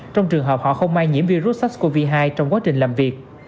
trong trường hợp họ không may nhiễm virus sars cov hai trong quá trình làm việc